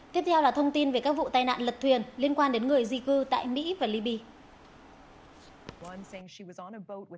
tiếp theo là thông tin về các vụ tai nạn lật thuyền liên quan đến người di cư tại mỹ và liby